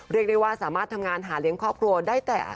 เรียกได้ว่าสามารถทำงานหาเลี้ยงครอบครัวได้แต่